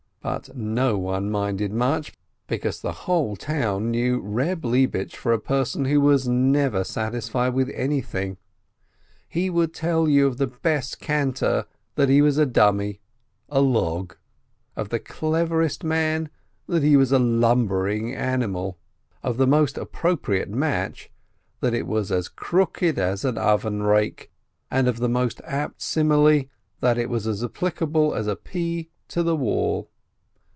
But no one minded much, because the whole town knew Eeb Lebish for a THE CLOCK 117 person who was never satisfied with anything : he would tell you of the best cantor that he was a dummy, a log ; of the cleverest man, that he was a lumbering animal; of the most appropriate match, that it was as crooked as an oven rake; and of the most apt simile, that it was as applicable as a pea to the wall.